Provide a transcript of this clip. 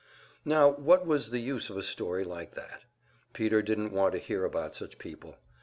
Now what was the use of a story like that? Peter didn't want to hear about such people!